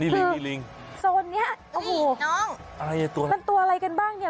คือโซนนี้มันตัวอะไรกันบ้างเนี่ย